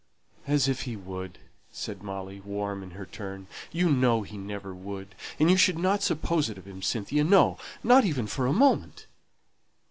"As if he would!" said Molly, warm in her turn. "You know he never would; and you shouldn't suppose it of him, Cynthia no, not even for a moment!"